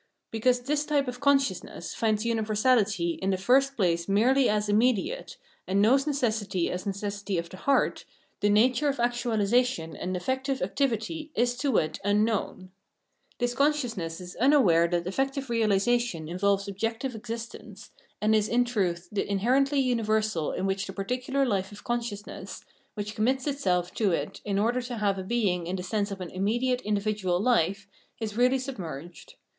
Because this type of consciousness finds universahty in the first place merely as immediate, and knows necessity as necessity of the heart, the nature of actuahsation and effective activity is to it unknown. This consciousness 362 Phenomenology of Mind is "unaware that effective realisation involves objective existence, and is in truth the inherently universal in which the particular life of consciousness, which commits itself to it in order to have being in the sense of an immediate individual hfe, is really submerged.